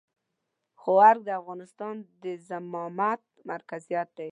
خو ارګ د افغانستان د زعامت مرکزيت دی.